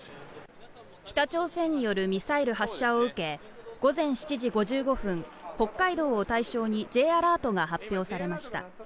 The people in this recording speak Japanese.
北朝鮮によるミサイル発射を受け午前７時５５分北海道を対象にＪアラートが発表されました。